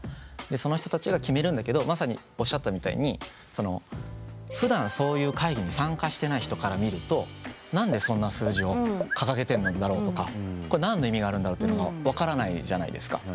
でその人たちが決めるんだけどまさにおっしゃったみたいにそのふだんそういう会議に参加してない人から見ると何でそんな数字を掲げてんのだろうとかこれ何の意味があるんだろうっていうのが分からないじゃないですか。